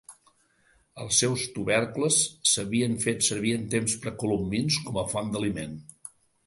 Els seus tubercles s'havien fet servir en temps precolombins com a font d'aliment.